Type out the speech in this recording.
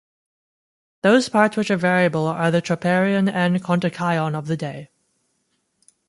Those parts which are variable are the Troparion and Kontakion of the day.